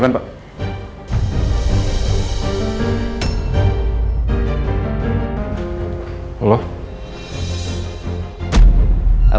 semoga anda gak lupa dengan saya